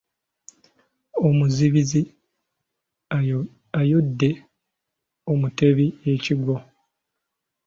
Omuzibizi ayodde omuteebi ekigwo.